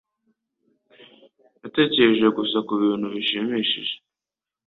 Natekereje gusa kubintu bishimishije.